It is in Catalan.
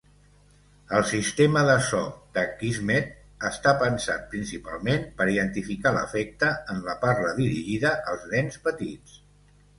El sistema de so de Kismet està pensat principalment per identificar l'afecte en la parla dirigida als nens petits.